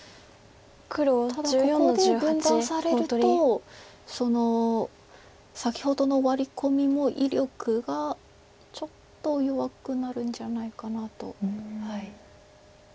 ただここで分断されると先ほどのワリコミも威力がちょっと弱くなるんじゃないかなと。